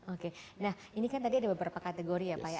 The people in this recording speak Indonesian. oke nah ini kan tadi ada beberapa kategori ya pak ya